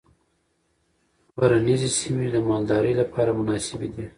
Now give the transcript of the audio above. غرنیزې سیمې د مالدارۍ لپاره مناسبې دي.